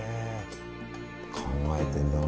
考えてんだな。